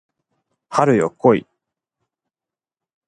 春よ来い